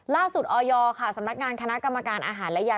ออยค่ะสำนักงานคณะกรรมการอาหารและยา